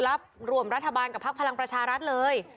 รับรวมรัฐบาลกับพักพลังประชารัฐเลย